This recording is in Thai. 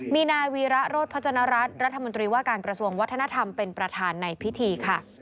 มีนายวีระโรธพจนรัฐรัฐรัฐมนตรีว่าการกระทรวงวัฒนธรรมเป็นประธานในพิธีค่ะ